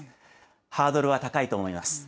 ハードルは高いと思います。